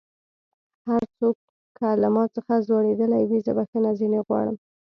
هر څوک که له ما څخه ځؤرېدلی وي زه بخښنه ځينې غواړم